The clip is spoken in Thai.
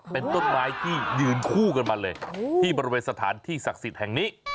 เป็นต้นไม้ที่ยืนคู่กันมาเลยที่บริเวณสถานที่ศักดิ์สิทธิ์แห่งนี้